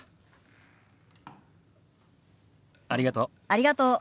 ありがとう。